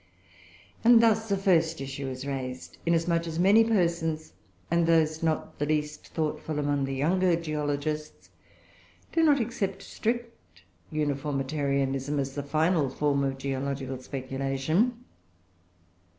And thus a first issue is raised, inasmuch as many persons (and those not the least thoughtful among the younger geologists) do not accept strict Uniformitarianism as the final form of geological speculation.